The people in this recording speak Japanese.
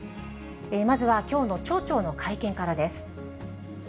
まずは、きょうの町長の会見からです。